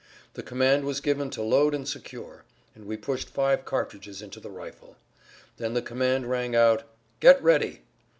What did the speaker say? The command was given to load and secure, and we pushed five cartridges into the rifle. Then the command rang out, "Get ready!"